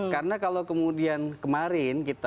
karena kalau kemudian kemarin kita